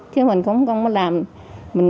chứ mình cũng không làm